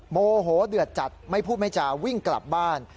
โมโหเดือดจัดไม่พูดไม่จาวิ่งกลับบ้าน